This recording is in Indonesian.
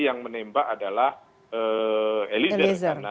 yang menembak adalah eliezer